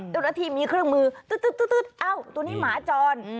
ตรงนี้มีเครื่องมือตัวนี้หมาจร